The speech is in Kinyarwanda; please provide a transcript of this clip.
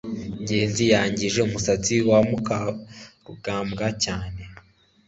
ngenzi yangije umusatsi wa mukarugambwa cyane